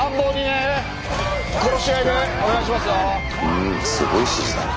うんすごい指示だね。